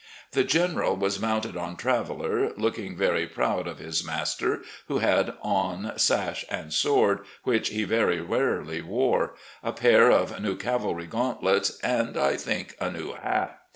The General was mounted on Traveller, looking very proud of his master, who had on sash and sword, which he very rarely wore, a pair of new cavalry gauntlets, and, I think, a new hat.